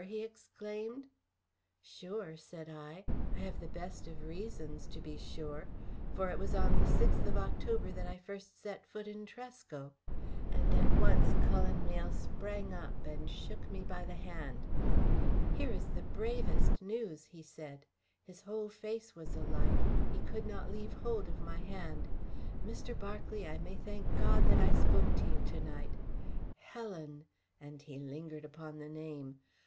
he exclaimed. "Sure?" said I. "I have the best of reasons to be sure; for it was on the sixth of October that I first set foot in Tresco," and at once Cullen Mayle sprang up and shook me by the hand. "Here is the bravest news," he said. His whole face was alight; he could not leave hold of my hand. "Mr. Berkeley, I may thank God that I spoke to you to night. 'Helen!'" and he lingered upon the name.